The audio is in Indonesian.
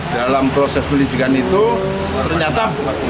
dalam proses penyelidikan itu ternyata